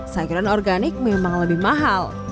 sayuran organik memang lebih mahal